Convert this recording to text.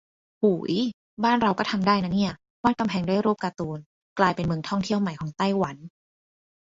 หูย บ้านเราก็ทำได้นะเนี่ย วาดกำแพงด้วยรูปการ์ตูน กลายเป็นเมืองท่องเที่ยวใหม่ของไต้หวัน